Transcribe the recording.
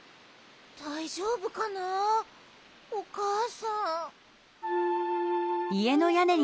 だいじょうぶかなおかあさん。